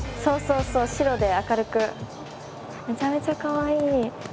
そうそうそう白で明るく。めちゃめちゃかわいい。